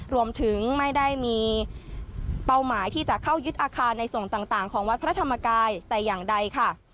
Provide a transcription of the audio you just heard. รวมถึงไม่ได้มีเป้าหมายที่จะเข้ายึดอาคารในส่วนต่างของวัดพระธรรมกายแต่อย่างใดค่ะ